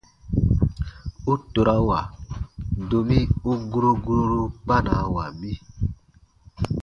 U torawa, domi u guro guroru kpanawa mi.